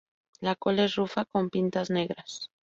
La cola es rufa con pintas negras.